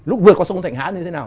lúc vượt qua sông thạnh hã như thế nào